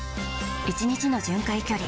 １日の巡回距離